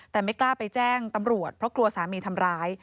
แต่ไม่กล้าไปแจ้งตำรวจเพราะกลัวสามีทำร้าย